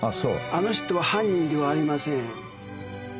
あの人は犯人ではありません。